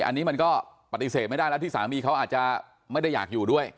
อันนี้มันก็ปฏิเสธไม่ได้แล้วที่สามีเขาอาจจะไม่ได้อยากอยู่ด้วย